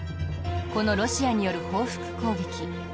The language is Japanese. このロシアによる報復攻撃。